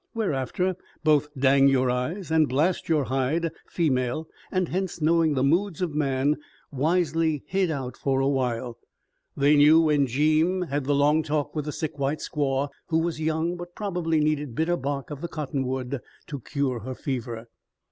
Whereafter both Dang Yore Eyes and Blast Yore Hide, female, and hence knowing the moods of man, wisely hid out for a while. They knew when Jeem had the long talk with the sick white squaw, who was young, but probably needed bitter bark of the cottonwood to cure her fever.